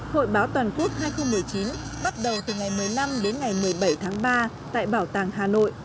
hội báo toàn quốc hai nghìn một mươi chín bắt đầu từ ngày một mươi năm đến ngày một mươi bảy tháng ba tại bảo tàng hà nội